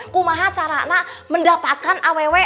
kumaha cara nak mendapatkan aww